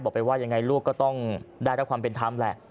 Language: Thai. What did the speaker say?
บอกไปว่ายังไงลูกก็ต้องได้เริ่มความเป็นทั้งแหละ